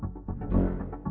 tidak ada pertanyaan